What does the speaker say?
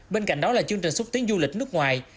bên cạnh đó là chương trình xúc tiến du lịch nước ngoài